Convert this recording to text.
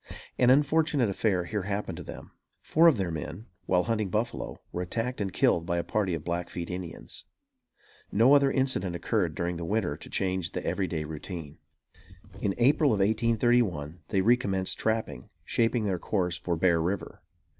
An unfortunate affair here happened to them. Four of their men, while hunting buffalo, were attacked and killed by a party of Blackfeet Indians. No other incident occurred during the winter to change the everyday routine. In April of 1831, they recommenced trapping, shaping their course for Bear River.